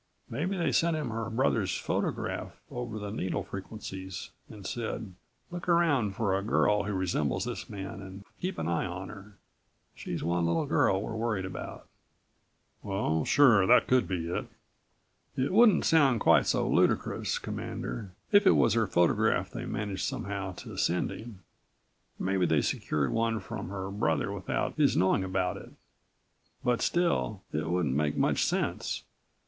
Maybe they sent him her brother's photograph over the needle frequencies and said: 'Look around for a girl who resembles this man and keep an eye on her. She's one little girl we're worried about." "Oh, sure, that could be it." "It wouldn't sound quite so ludicrous, Commander, if it was her photograph they managed somehow to send him. Maybe they secured one from her brother without his knowing about it. But still it wouldn't make much sense.